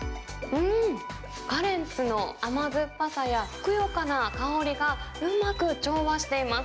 カレンツの甘酸っぱさや、ふくよかな香りがうまく調和しています。